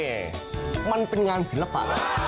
มันเป็นงานศิลปะ